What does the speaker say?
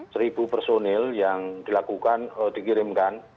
seribu personil yang dilakukan dikirimkan